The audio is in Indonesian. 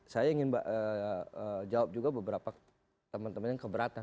saya ingin jawab juga beberapa teman teman yang keberatan